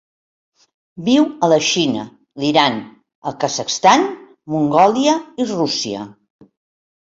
Viu a la Xina, l'Iran, el Kazakhstan, Mongòlia i Rússia.